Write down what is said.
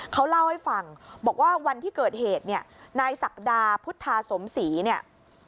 เขาเล่าให้ฟังบอกว่าวันที่เกิดเหตุเนี่ยนายศักดาพุทธาสมศรีเนี่ย